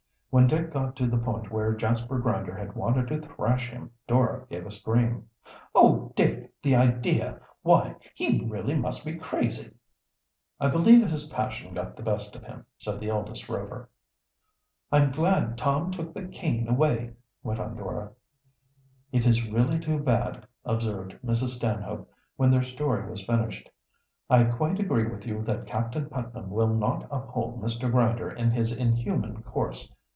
When Dick got to the point where Jasper Grinder had wanted to thrash him Dora gave a scream. "Oh, Dick, the idea! Why, he really must be crazy!" "I believe his passion got the best of him," said the eldest Rover. "I'm glad Tom took the cane away," went on Dora. "It is really too bad," observed Mrs. Stanhope, when their story was finished. "I quite agree with you that Captain Putnam will not uphold Mr. Grinder in his inhuman course.